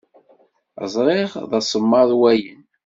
Ẓṛiɣ, d asemmaḍ wayen.